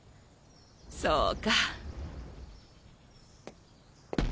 そうか。